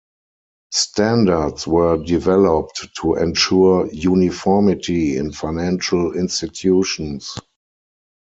Standards were developed to ensure uniformity in financial institutions.